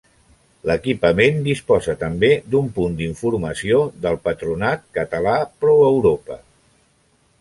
L'equipament disposa també d'un punt d'informació del Patronat Català Pro-Europa.